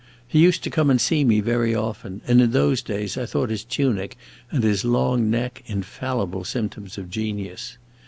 He used to come and see me very often, and in those days I thought his tunic and his long neck infallible symptoms of genius.